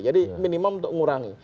jadi minimum untuk mengurangi